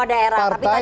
di semua partai